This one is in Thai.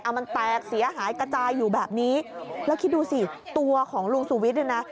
มันแตกเสียหายกระจายอยู่แบบนี้แล้วคิดดูสิตัวของลุงสุวิทย์เนี่ยนะ